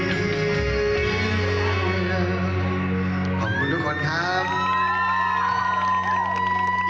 อีกเพลงหนึ่งครับนี้ให้สนสารเฉพาะเลย